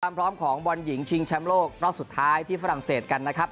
พร้อมของบอลหญิงชิงแชมป์โลกรอบสุดท้ายที่ฝรั่งเศสกันนะครับ